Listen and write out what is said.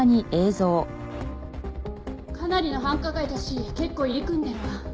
かなりの繁華街だし結構入り組んでるわ。